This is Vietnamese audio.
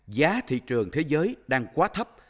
giá thị trường thế giới đang quá thấp